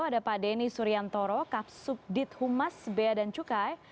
ada pak deni suryantoro kapsubdit humas bea dan cukai